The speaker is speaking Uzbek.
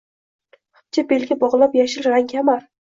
Xipcha belga bog’lab yashil rang kamar